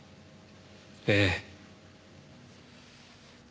ええ。